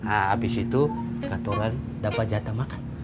abis itu ketoran dapat jatah makan